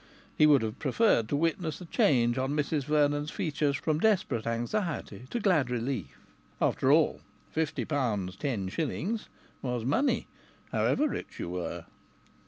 He would have preferred to witness the change on Mrs Vernon's features from desperate anxiety to glad relief. After all, £50, 10s. was money, however rich you were!